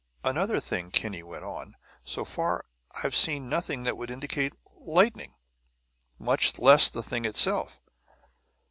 "Another thing," Kinney went on. "So far, I've seen nothing that would indicate lightning, much less the thing itself.